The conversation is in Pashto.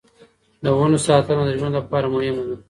د ونو ساتنه د ژوند لپاره مهمه ده.